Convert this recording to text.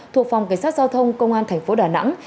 thuộc phòng cảnh sát giao thông công an tp đà nẵng